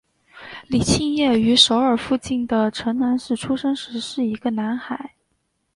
李庆烨于首尔附近的城南市出生时是一个男孩。